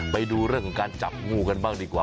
ไปดูเรื่องของการจับงูกันบ้างดีกว่า